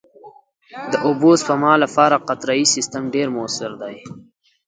د اوبو سپما لپاره قطرهيي سیستم ډېر مؤثر دی.